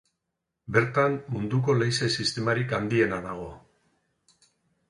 Bertan munduko leize-sistemarik handiena dago.